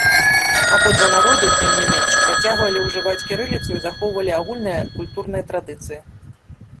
Абодва народы, тым не менш, працягвалі ўжываць кірыліцу і захоўвалі агульныя культурныя традыцыі.